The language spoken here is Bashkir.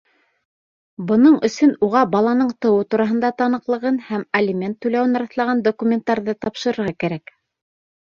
Бының өсөн уға баланың тыуыу тураһындағы таныҡлығын һәм алимент түләүен раҫлаған документтарҙы тапшырырға кәрәк.